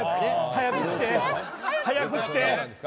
早く来て！早く来て！